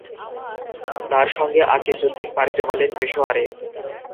তাঁর সঙ্গে আকিজউদ্দীন পাড়ি জমালেন পেশোয়ারে।